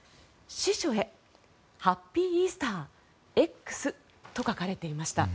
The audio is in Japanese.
司書へハッピーイースター、Ｘと書かれていました。